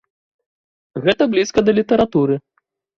Гэта блізка да літаратуры.